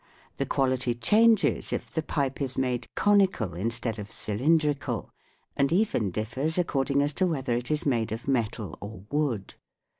The quality changes if the pipe is made conical instead of cylindrical, and even differs according as to whether it is made of metal or wood.